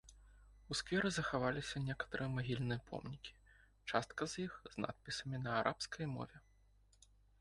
У скверы захаваліся некаторыя магільныя помнікі, частка з іх з надпісамі на арабскай мове.